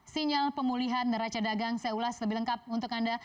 sinyal pemulihan neraca dagang saya ulas lebih lengkap untuk anda